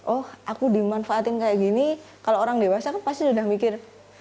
oh aku dimanfaatin kayak gini kalau orang dewasa kan pasti sudah mikir